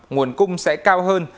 nguồn cung sẽ cao hơn